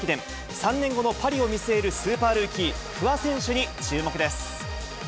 ３年後のパリを見据えるスーパールーキー、不破選手に注目です。